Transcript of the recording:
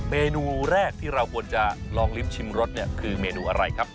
เมนูแรกที่เราควรจะลองลิ้มชิมรสเนี่ยคือเมนูอะไรครับ